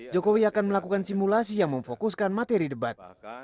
jokowi akan melakukan simulasi yang memfokuskan materi debat